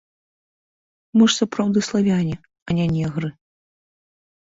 Мы ж сапраўды славяне, а не негры.